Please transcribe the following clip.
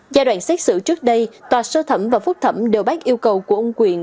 giai đoạn xét xử trước đây tòa sơ thẩm và phúc thẩm đều bác yêu cầu của ông quyện